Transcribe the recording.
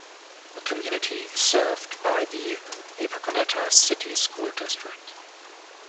The community is served by the Wapakoneta City School District.